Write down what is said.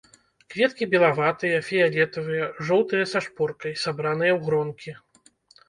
Кветкі белаватыя, фіялетавыя, жоўтыя са шпоркай, сабраныя ў гронкі.